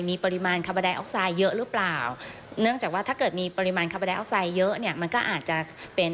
มีปริมาณคาร์ประไดไซส์